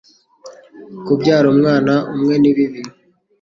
kubyara umwana umwe ni bibi